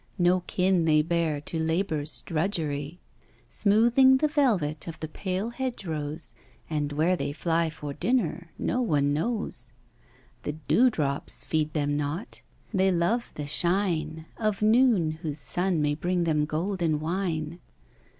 No kin they bear to labour's drudgery, Smoothing the velvet of the pale hedge rose; And where they fly for dinner no one knows The dew drops feed them not they love the shine Of noon, whose sun may bring them golden wine.